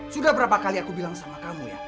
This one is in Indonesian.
sudah berapa kali aku bilang sama kamu ya